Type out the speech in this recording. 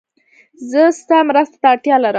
زه ستا مرسته ته اړتیا لرم.